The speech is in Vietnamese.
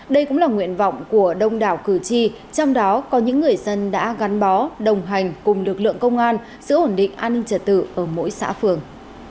đây cũng là nguyện vọng của đông đảo cử tri trong đó có những người dân đã gắn bó đồng hành cùng lực lượng công an giữ ổn định an ninh trật tự ở mỗi xã phường